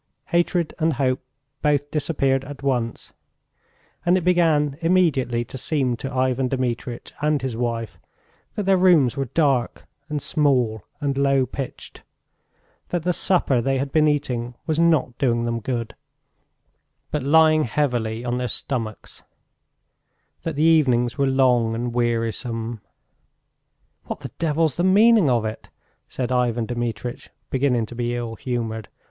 Hatred and hope both disappeared at once, and it began immediately to seem to Ivan Dmitritch and his wife that their rooms were dark and small and low pitched, that the supper they had been eating was not doing them good, but lying heavy on their stomachs, that the evenings were long and wearisome.... "What the devil's the meaning of it?" said Ivan Dmitritch, beginning to be ill humoured.